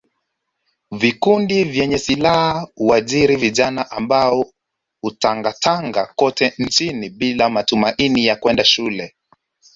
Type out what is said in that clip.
Vikundi vyenye silaha huajiri vijana ambao hutangatanga kote nchini bila matumaini ya kwenda shule